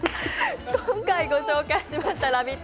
今回ご紹介しましたラヴィット！